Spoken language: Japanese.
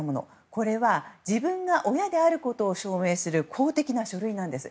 これは自分が親であることを証明する公的な書類なんです。